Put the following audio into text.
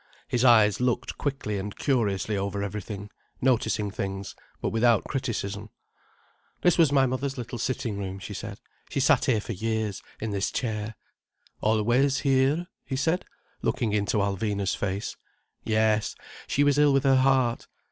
His eyes looked quickly and curiously over everything, noticing things, but without criticism. "This was my mother's little sitting room," she said. "She sat here for years, in this chair." "Always here?" he said, looking into Alvina's face. "Yes. She was ill with her heart.